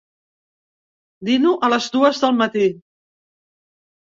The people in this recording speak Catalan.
Dino a les dues del matí.